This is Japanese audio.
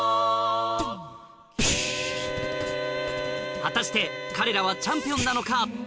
果たして彼らはチャンピオンなのか？